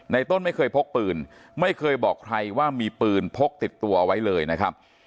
ต้นไม่เคยพกปืนไม่เคยบอกใครว่ามีปืนพกติดตัวไว้เลยนะครับ